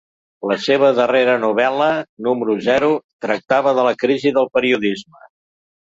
La seva darrera novel·la, ‘Número Zero’, tractava de la crisi del periodisme.